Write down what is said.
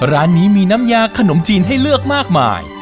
ร้านนี้มีน้ำยาขนมจีนให้เลือกมากมาย